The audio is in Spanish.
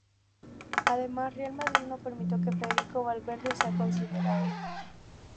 Además, Real Madrid no permitió que Federico Valverde sea considerado.